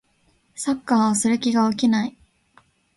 サッカーをする気が起きない